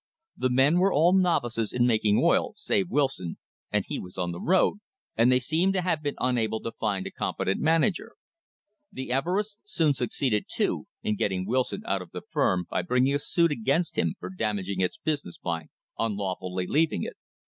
The men were all novices in making oil, save Wilson, and he was on the road, and they seem to have been unable to find a competent manager. The Everests soon succeeded, too, in getting Wilson out of the new firm by bringing a suit against him for damag ing its business by unlawfully leaving it.